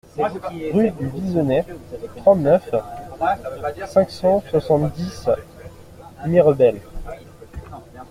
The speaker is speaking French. Rue du Viseney, trente-neuf, cinq cent soixante-dix Mirebel